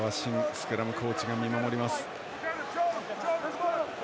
スクラムコーチが見守ります。